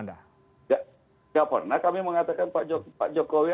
tidak pernah kami mengatakan pak jokowi